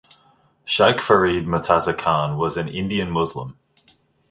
Shaikh Farid Murtaza Khan was an Indian Muslim.